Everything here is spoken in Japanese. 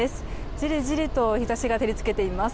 じりじりと日差しが照り付けています。